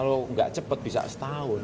kalau nggak cepat bisa setahun